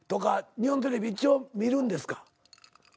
日本のテレビ一応見るんですか？